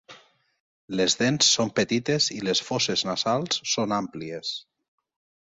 Les dents són petites i les fosses nasals són àmplies.